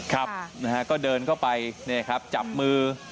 ครับก็เดินเข้าไปจับมือ